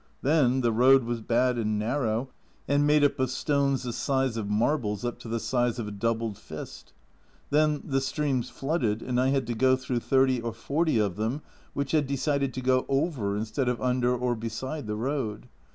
Then the road was bad and narrow, and made of stones the size of marbles up to the size of a doubled fist Then the streams flooded, and I had to go through thirty or forty of them which had decided to go over instead of under or beside the road.